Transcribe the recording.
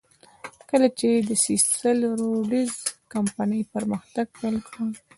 کله چې د سیسل روډز کمپنۍ پرمختګ پیل کړ.